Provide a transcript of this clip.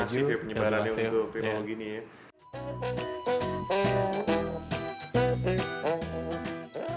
lebih masih ya penyebarannya untuk pilih begini ya